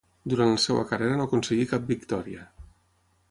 Durant la seva carrera no aconseguí cap victòria.